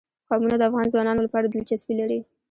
قومونه د افغان ځوانانو لپاره دلچسپي لري.